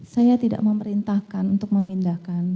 saya tidak memerintahkan untuk memindahkan